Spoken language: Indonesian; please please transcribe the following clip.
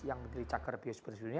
yang mencari cakar biosipersi